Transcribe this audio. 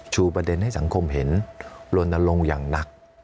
ประเด็นให้สังคมเห็นลนลงอย่างหนัก